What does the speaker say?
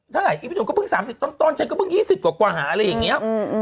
เท่าไหร่อีพี่หนุ่มก็เพิ่ง๓๐ต้นฉันก็เพิ่ง๒๐กว่าอะไรอย่างนี้